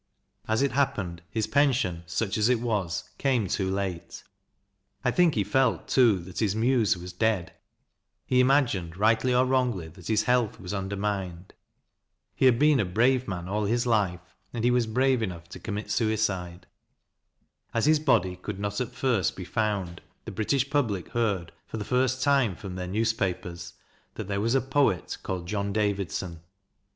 As it happened, his pension, such as it was, came too late. I think he felt, too, that his muse was dead He imagined, rightly or wrongly, that his health was undermined. He had been a brave man all his life, and he was brave enough to commit suicide. As his body could not at first be found, the British public heard, for the first time, from their newspapers, that there was a poet called John Davidson.